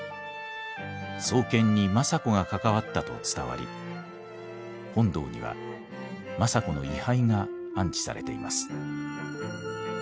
創建に政子が関わったと伝わり本堂には政子の位牌が安置されています。